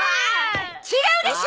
違うでしょ！